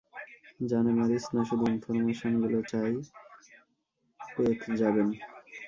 জানে মারিস না শুধু ইনফরমেশনগুলো চাই পেয়ে যাবেন।